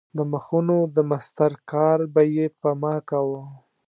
د مخونو د مسطر کار به یې په ما کاوه.